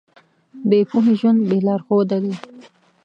بې پوهې ژوند بې لارښوده دی.